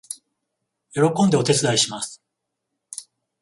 喜んでお手伝いします